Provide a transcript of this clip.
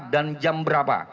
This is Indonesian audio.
dan jam berapa